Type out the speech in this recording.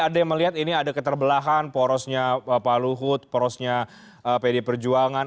ada yang melihat ini ada keterbelahan porosnya pak luhut porosnya pd perjuangan